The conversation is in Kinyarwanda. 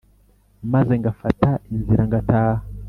maze ngafata inzira ngataha